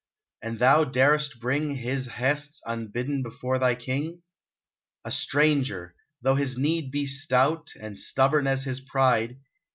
And thou darest bring His bests unbidden before thy king ? A stranger ? Though his need be stout, And stubborn as his pride.